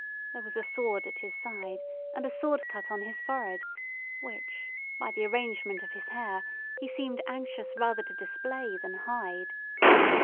There was a sword at his side and a sword cut on his forehead, which, by the arrangement of his hair, he seemed anxious rather to display than hide.